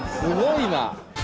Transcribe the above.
すごいな。